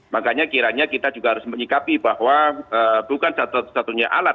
makanya kiranya kita juga harus menyikapi bahwa bukan satu satunya alat